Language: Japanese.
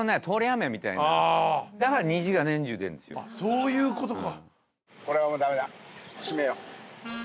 そういうことか。